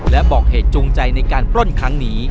และบอกเหตุจูงใจในการปล้นครั้งนี้